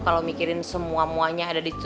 kalau mikirin semua muanya ada di situ